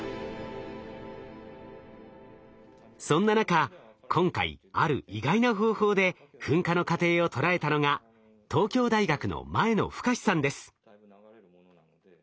そんな中今回ある意外な方法で噴火の過程を捉えたのが東京大学の前野深さんです。